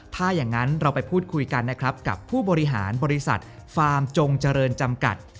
ถ้าอย่างนั้นเราไปพูดคุยกันนะครับกับผู้บริหารบริษัทฟาร์มจงเจริญจำกัด